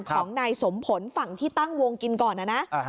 ของนายสมผลฝั่งที่ตั้งวงกินก่อนนะนะ